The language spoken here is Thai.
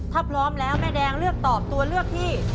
ถ้าพร้อมแล้วแม่แดงเลือกตอบตัวเลือกที่